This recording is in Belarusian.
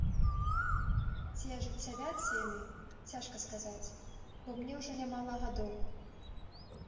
Ці ажыццявяцца яны, цяжка сказаць, бо мне ўжо нямала гадоў.